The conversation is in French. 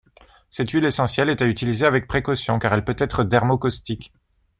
Cette huile essentielle est à utiliser avec précautions car elle peut être dermocaustique.